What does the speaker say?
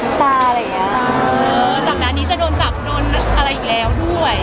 ในสังดนัดนี้จะโดนอะไรอีกแล้วด้วย